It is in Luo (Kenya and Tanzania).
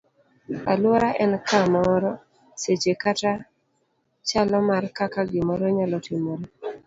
Aluora en kamoro, seche kata chalo mar kaka gimoro nyalo timore.